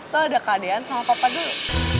kalo ada keadaan sama papa dulu